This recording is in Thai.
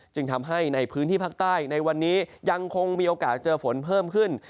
จึงทำให้ในพื้นที่ภาคใต้ในวันนี้ยังคงมีโอกาสเจอฝนเพิ่มขึ้น